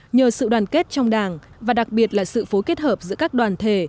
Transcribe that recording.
nhờ sự đoàn kết trong đảng và đặc biệt là sự phối kết hợp giữa các đoàn thể